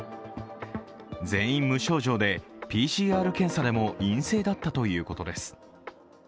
全員無症状で、ＰＣＲ検査でも陰性だったということです。